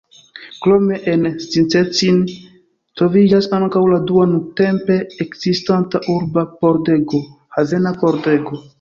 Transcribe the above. Krome, en Szczecin troviĝas ankaŭ la dua nuntempe ekzistanta urba pordego: Havena Pordego.